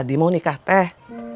tadi mau nikah teh